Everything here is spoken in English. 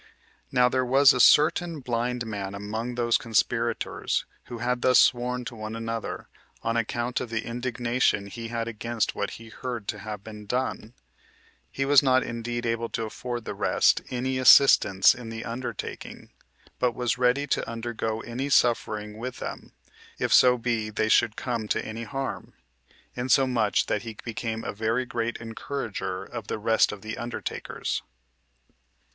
Now there was a certain blind man among those conspirators who had thus sworn to one another, on account of the indignation he had against what he heard to have been done; he was not indeed able to afford the rest any assistance in the undertaking, but was ready to undergo any suffering with them, if so be they should come to any harm, insomuch that he became a very great encourager of the rest of the undertakers.